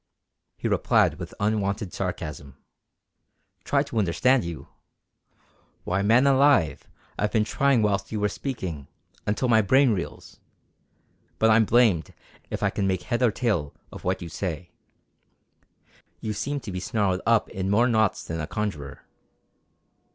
He replied with unwonted sarcasm: "Try to understand you! Why man alive I've been trying whilst you were speaking, until my brain reels. But I'm blamed if I can make head or tail of what you say. You seem to be snarled up in more knots than a conjuror.